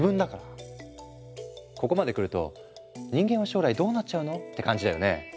ここまでくると人間は将来どうなっちゃうの？って感じだよね？